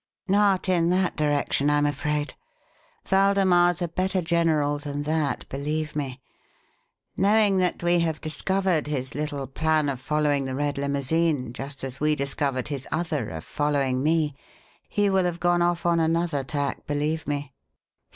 "Not in that direction, I'm afraid. Waldemar's a better general than that, believe me. Knowing that we have discovered his little plan of following the red limousine just as we discovered his other, of following me, he will have gone off on another tack, believe me."